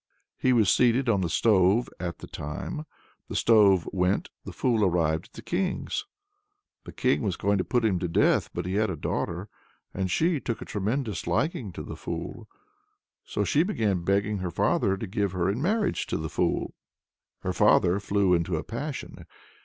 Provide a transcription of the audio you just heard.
He was seated on the stove at the time. The stove went; the fool arrived at the King's. The King was going to put him to death, but he had a daughter, and she took a tremendous liking to the fool. So she began begging her father to give her in marriage to the fool. Her father flew into a passion.